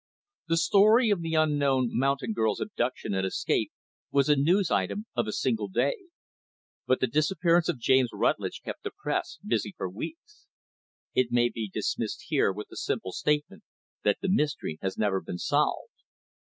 The story of the unknown mountain girl's abduction and escape was a news item of a single day; but the disappearance of James Rutlidge kept the press busy for weeks. It may be dismissed here with the simple statement that the mystery has never been solved.